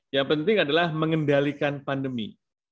yang penting adalah mengendalikan pandemi